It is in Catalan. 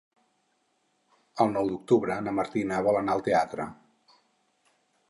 El nou d'octubre na Martina vol anar al teatre.